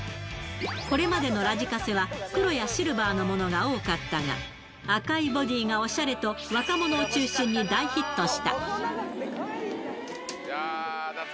これまでのラジカセは、黒やシルバーのものが多かったが、赤いボディがおしゃれと、若者を中心に大ヒットした。